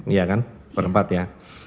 iya kan berempat ya